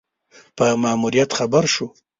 په ماموریت خبر شو.